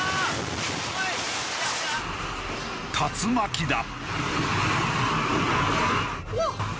竜巻だ。